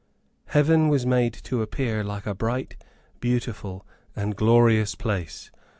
Heaven was made to appear like a bright, beautiful, and glorious place.